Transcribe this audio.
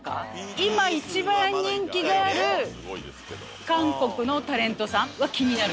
今一番人気がある韓国のタレントさんは気になる。